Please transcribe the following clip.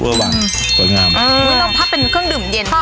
อื้อต้องขาดของเป็นเครื่องดื่มเย็น